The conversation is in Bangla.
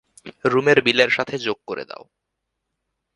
রুমের বিলের সাথে যোগ করে দাও।